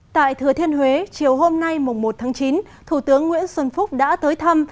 tại thừa thiên huế chiều hôm nay mùng một tháng chín thủ tướng nguyễn xuân phúc đã tới thăm